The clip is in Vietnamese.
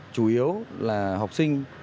chủ yếu là học sinh